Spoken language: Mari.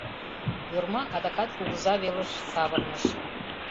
— Йорма адакат кугыза велыш савырныш.